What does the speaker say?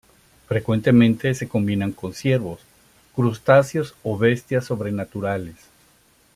Frecuentemente se combinaban con ciervos, crustáceos o bestias sobrenaturales.